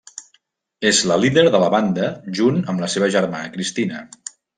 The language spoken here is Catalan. És la líder de la banda junt amb la seva germana Cristina.